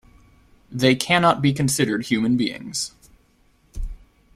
They cannot be considered human beings.